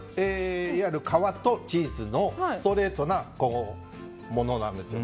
いわゆる皮とチーズのストレートなものなんですよ。